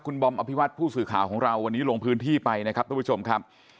คุณบอมอภิวัตผู้สื่อข่าวของเราวันนี้ลงพื้นที่ไปนะครับทุกผู้ชมครับ